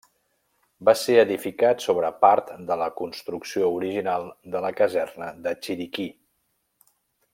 Va ser edificat sobre part de la construcció original de la Caserna de Chiriquí.